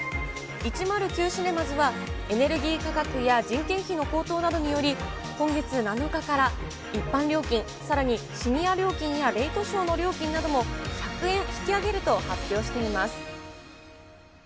１０９シネマズは、エネルギー価格や人件費の高騰などにより、今月７日から、一般料金、さらにシニア料金やレイトショーの料金なども、１００円引き上げると発表しています。